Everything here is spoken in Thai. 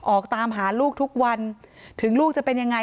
ออกตามหาลูกทุกวันถึงลูกจะเป็นยังไง